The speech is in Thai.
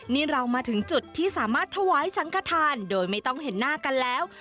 นี่เรามาถึงจุดที่สามารถถวายสังขทานโดยไม่ต้องเห็นหน้ากันแล้ว